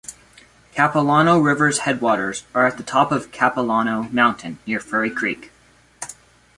Capilano River's headwaters are at the top of Capilano Mountain, near Furry Creek.